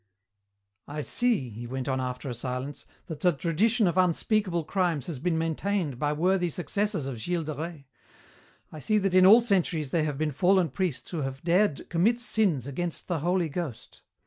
"I see," he went on after a silence, "that the tradition of unspeakable crimes has been maintained by worthy successors of Gilles de Rais. I see that in all centuries there have been fallen priests who have dared commit sins against the Holy Ghost.